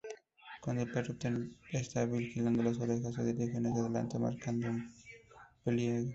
Cuando el perro está vigilando, las orejas se dirigen hacia delante marcado un pliegue.